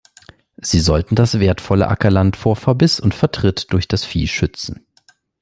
Sie sollten das wertvolle Ackerland vor Verbiss und Vertritt durch das Vieh schützen.